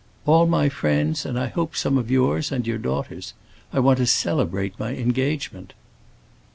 "All my friends, and I hope some of yours and your daughter's. I want to celebrate my engagement."